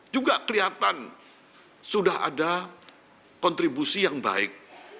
juga kelihatan sudah ada kontribusi yang baik